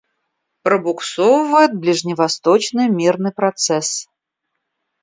Пробуксовывает ближневосточный мирный процесс.